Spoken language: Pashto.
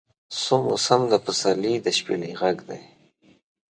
شو موسم د پسرلي د شپیلۍ غږدی